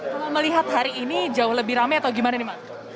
kalau melihat hari ini jauh lebih rame atau gimana nih mas